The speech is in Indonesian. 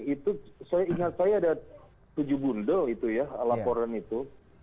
itu saya ingat saya ada tujuh bundel itu ya laporan itu